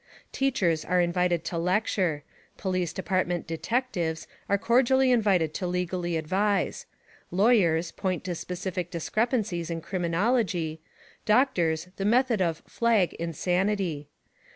Teachers are invited to lecture. Police Department "detectives" are cordially invited to legally advise ; Lawyers, point to specific discrepencies in criminology ; doc tors, the method of "flag" insanity.